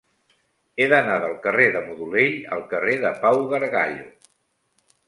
He d'anar del carrer de Modolell al carrer de Pau Gargallo.